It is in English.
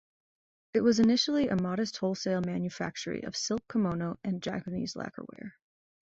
It was initially a modest wholesale manufactory of silk "kimono" and Japanese lacquerware.